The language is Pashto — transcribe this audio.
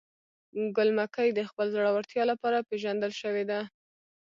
ګل مکۍ د خپل زړورتیا لپاره پیژندل شوې وه.